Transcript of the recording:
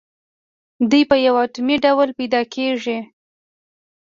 دوی په یو اتومي ډول پیداکیږي.